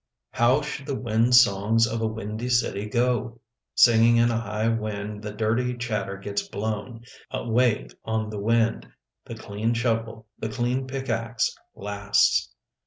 How should the wind songs of a windy city go? Singing in a high wind the dirty chatter gets blown away on the wind — the clean shovel, the clean pickax, lasts.